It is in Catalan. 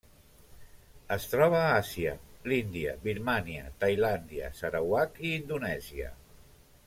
Es troba a Àsia: l'Índia, Birmània, Tailàndia, Sarawak i Indonèsia.